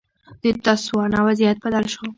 د تسوانا وضعیت بدل شو.